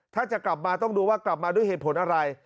ถ้าจะกลับมาต้องดูว่ากลับมาด้วยเหตุผลอะไร